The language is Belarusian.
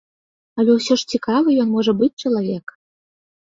Але ўсё ж цікавы ён можа быць чалавек.